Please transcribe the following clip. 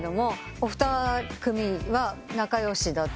お二組は仲良しだって？